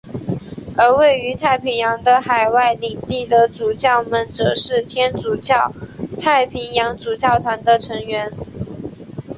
而位于太平洋的海外领地的主教们则是天主教太平洋主教团的成员。